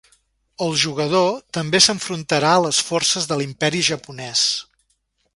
El jugador també s'enfrontarà a les forces de l'imperi japonès.